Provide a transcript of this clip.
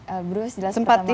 elbrus jelas pertama kali